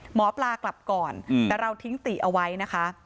หมอปลากลับก่อนแต่เราทิ้งติเอาไว้นะคะ